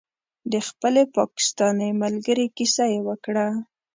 د خپلې پاکستانۍ ملګرې کیسه یې وکړه.